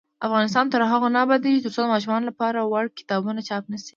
افغانستان تر هغو نه ابادیږي، ترڅو د ماشومانو لپاره وړ کتابونه چاپ نشي.